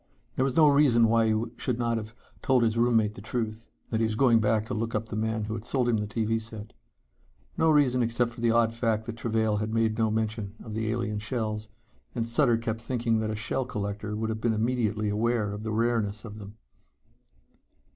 There was no reason why he should not have told his roommate the truth that he was going to look up the man who had sold him the TV set. No reason except for the odd fact that Travail had made no mention of the alien shells, and Sutter kept thinking that a shell collector would have been immediately aware of the rareness of them.